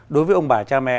đối với ông bà cha mẹ